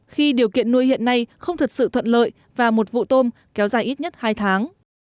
khi điều kiện nuôi hiện nay không thật sự thuận lợi và một vụ tôm kéo dài ít nhất hai tháng